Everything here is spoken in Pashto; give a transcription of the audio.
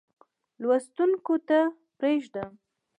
لوستونکو ته پرېږدم.